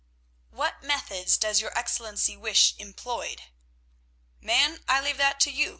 "What methods does your Excellency wish employed?" "Man, I leave that to you.